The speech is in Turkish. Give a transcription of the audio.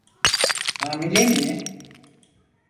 Hamile mi?